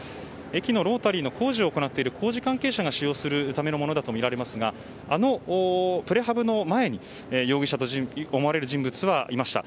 駅のロータリーの工事を行っている工事関係者が使用するためのものとみられますがあのプレハブの前に容疑者と思われる人物はいました。